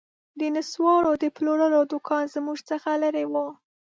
د نسوارو د پلورلو دوکان زموږ څخه لیري و